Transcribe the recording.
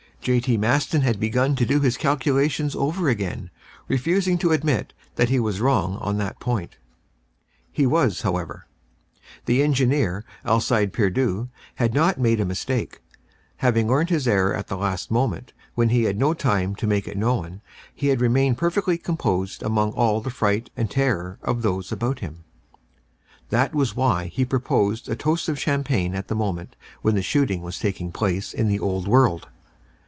J.T. Maston had begun to do his calculations over again, refusing to admit that he was wrong at that point. He was, however; the Engineer Alcide Pierdeux had not made a mistake. Having learnt his error at the last moment, when he had no time to make it known, he had remained perfectly composed among all the fright and terror of those about him. That was why he proposed a toast in champagne at the moment when the shooting was taking place in the Old World.